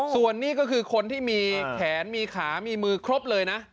ส่วนนี้ก็คือคนที่มีแขนมีขามีมือครบเลยนะ